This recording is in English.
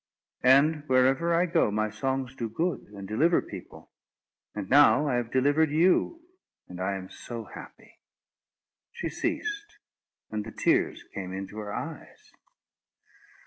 And wherever I go, my songs do good, and deliver people. And now I have delivered you, and I am so happy." She ceased, and the tears came into her eyes.